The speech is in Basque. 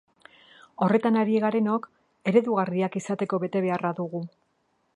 Horretan ari garenok eredugarriak izateko betebeharra dugu.